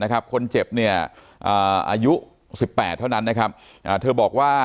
คนเจ็บอายุ๑๘เท่านั้นเธอบอกว่า